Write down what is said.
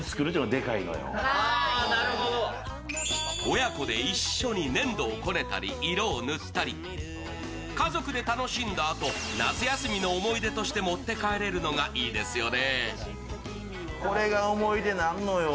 親子で一緒に粘土をこねたり色を塗ったり家族で楽しんだあと夏休みの思い出として持って帰れるのがいいですよね。